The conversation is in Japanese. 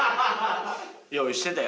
用意してたよ。